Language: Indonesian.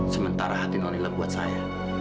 sementara hati nonilah buat saya